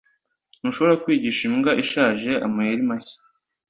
Ntushobora kwigisha imbwa ishaje amayeri mashya